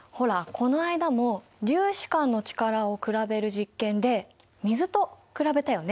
この間も粒子間の力を比べる実験で水と比べたよね。